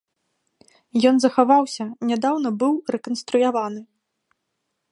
Ён захаваўся, нядаўна быў рэканструяваны.